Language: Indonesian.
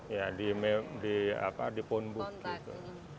ya di me di apa di pound book gitu